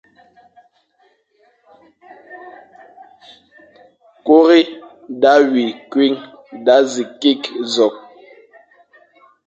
« kuri da wi kwuign da zi kig zokh.